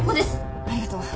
ありがとう。